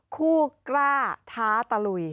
คู่กล้าท้าตะหลุย